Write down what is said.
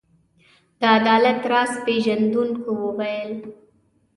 د عدالت راز پيژندونکو وویل.